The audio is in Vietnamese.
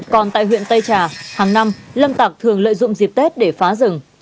còn tại huyện tây trà hàng năm lâm tạc thường lợi dụng dịp tết để phá rừng